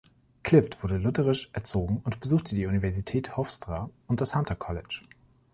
Clift wurde lutherisch erzogen und besuchte die Universität Hofstra und das Hunter College.